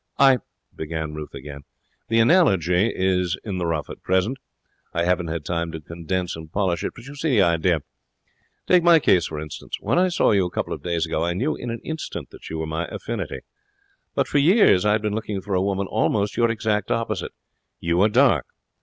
'I ' began Ruth again. 'The analogy is in the rough at present. I haven't had time to condense and polish it. But you see the idea. Take my case, for instance. When I saw you a couple of days ago I knew in an instant that you were my affinity. But for years I had been looking for a woman almost your exact opposite. You are dark.